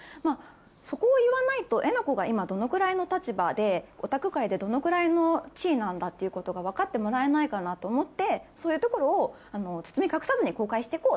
そこを言わないとえなこが今どのくらいの立場でオタク界でどのくらいの地位なんだっていうことが分かってもらえないかなと思ってそういうところを。